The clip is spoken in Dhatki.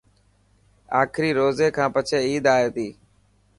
آخري روزي کان پڇي عيد آي تي